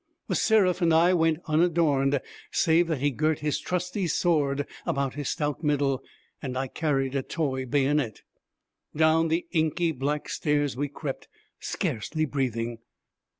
The Seraph and I went unadorned, save that he girt his trusty sword about his stout middle and I carried a toy bayonet. Down the inky black stairs we crept, scarcely breathing.